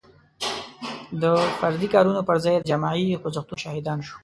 د فردي کارونو پر ځای د جمعي خوځښتونو شاهدان شو.